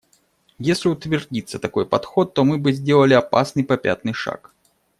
Если утвердится такой подход, то мы бы сделали опасный попятный шаг.